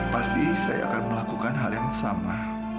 pasti saya akan melakukan hal yang sama